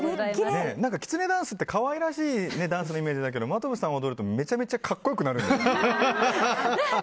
きつねダンスって可愛らしいダンスのイメージだけど真飛さん踊るとめちゃめちゃ格好良くなるんですね。